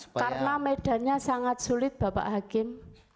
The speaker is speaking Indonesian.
karena medannya sangat sulit bapak hakim